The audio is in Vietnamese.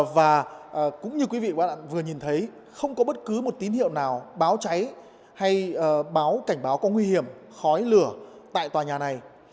và cũng như quý vị và các bạn vừa nhìn thấy không có bất cứ một tín hiệu nào báo cháy hay báo cảnh báo có nguy hiểm khói lửa tại tòa nhà này